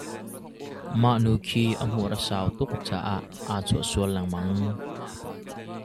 Mah nu khi a hmur a sau tuk caah aa chuah sual lengmang.